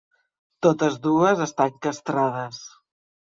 Totes dues estan castrades.